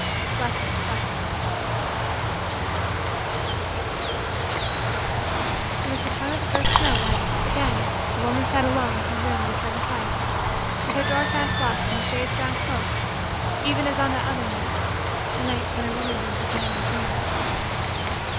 Blessed, blessed Yesterdays! It was the time of the first snow when, again, the woman sat alone in her room before the fire, with her door fast locked and the shades drawn close, even as on that other night the night when her womanhood began in dreams.